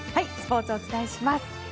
スポーツお伝えします。